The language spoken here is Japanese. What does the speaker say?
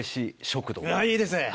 いいですね！